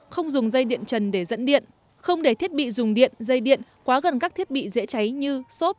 không dùng dây điện trần để dẫn điện không để thiết bị dùng điện dây điện quá gần các thiết bị dễ cháy như xốp